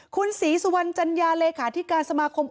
คุณศรีสุวรรณจัญญาเลขาธิการสมาคม